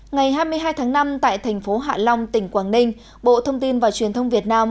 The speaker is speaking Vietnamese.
ngày hai mươi hai tháng năm tại thành phố hạ long tỉnh quảng ninh bộ thông tin và truyền thông việt nam